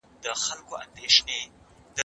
پر لاره د خپل خوږمن وطن تر داسې پړاوه ورسېږي